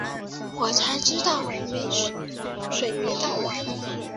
我才知道水没倒完